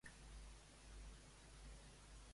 Què es lloa en general?